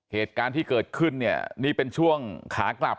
เหตุการณ์ที่เกิดขึ้นเนี่ยนี่เป็นช่วงขากลับ